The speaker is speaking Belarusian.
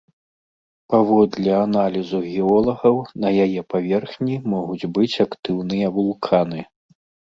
Паводле аналізу геолагаў, на яе паверхні могуць быць актыўныя вулканы.